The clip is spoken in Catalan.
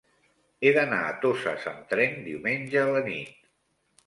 He d'anar a Toses amb tren diumenge a la nit.